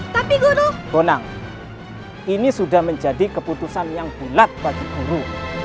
tapi bonang ini sudah menjadi keputusan yang bulat bagi guru